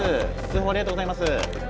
通報ありがとうございます。